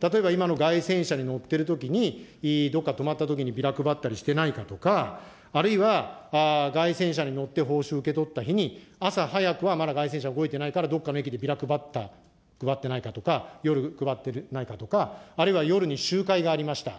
例えば今の街宣車に乗ってるときに、どこか止まったときにビラ配ったりしてないかとか、あるいは街宣車に乗って報酬を受け取った日に、朝早く、まだ街宣車動いてないから、どっかの駅でビラ配った、配ってないかとか、夜配ってないかとか、あるいは夜に集会がありました。